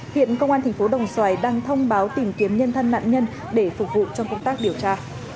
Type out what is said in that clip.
hiện công an thành phố đồng xoài đang thông báo tìm kiếm nhân thân nạn nhân để phục vụ cho công tác điều tra